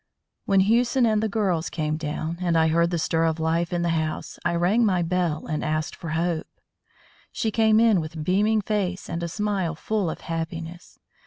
When Hewson and the girls came down, and I heard the stir of life in the house, I rang my bell and asked for Hope. She came in with beaming face and a smile full of happiness.